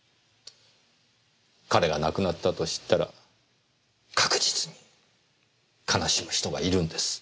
彼が亡くなったと知ったら確実に悲しむ人がいるんです。